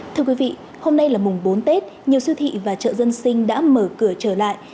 thưa quý vị hôm nay là mùng bốn tết nhiều siêu thị và chợ dân sinh đã mở cửa trở lại